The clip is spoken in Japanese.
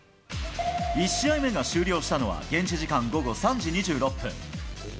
１試合目が終了したのは、現地時間午後３時２６分。